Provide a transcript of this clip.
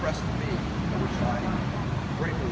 เรื่องกันยิ่งร่วมนี้